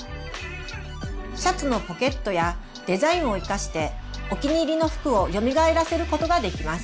シャツのポケットやデザインを生かしてお気に入りの服をよみがえらせることができます。